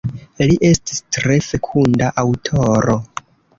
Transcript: Li estis tre fekunda aŭtoro.